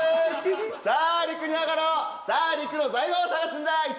さあ陸にあがろうさあ陸の財宝を探すんだ行っ